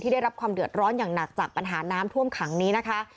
ได้รับความเดือดร้อนอย่างหนักจากปัญหาน้ำท่วมขังนี้นะคะ